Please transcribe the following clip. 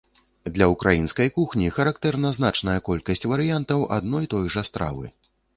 Для ўкраінскай кухні характэрна значная колькасць варыянтаў адной той жа стравы.